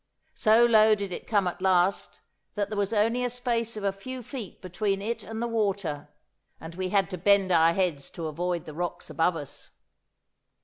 So low did it come at last that there was only a space of a few feet between it and the water, and we had to bend our heads to avoid the rocks above us.